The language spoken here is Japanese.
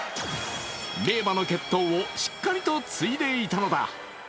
名馬の血統をしっかりと継いでいたのだ。